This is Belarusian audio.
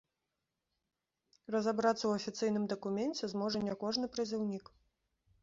Разабрацца ў афіцыйным дакуменце зможа не кожны прызыўнік.